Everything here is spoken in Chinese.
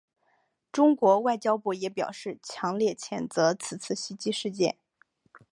中国外交部也表示强烈谴责此次袭击事件。